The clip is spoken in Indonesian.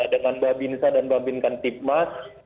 dengan bapak bin nisa dan bapak binkan tipmas